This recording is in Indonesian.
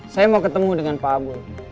saya mau ketemu dengan pak abu